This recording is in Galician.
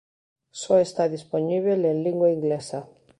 Só está dispoñíbel en lingua inglesa.